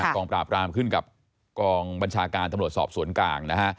กองปราบรามขึ้นกับกองบัญชาการตำรวจสอบสวนกลางนะฮะ